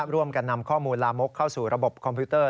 ร่วมกันนำข้อมูลลามกเข้าสู่ระบบคอมพิวเตอร์